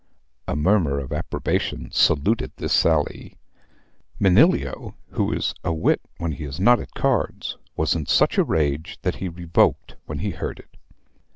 A murmur of approbation saluted this sally. Manilio, who is a wit when he is not at cards, was in such a rage that he revoked when he heard it.